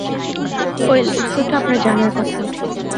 Well, উত্তরটা আপনার জানার কথা।